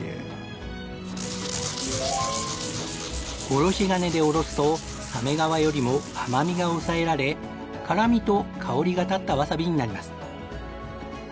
おろし金でおろすと鮫皮よりも甘味が抑えられ辛味と香りが立ったわさびになります。